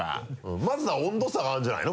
まずは温度差があるんじゃないの？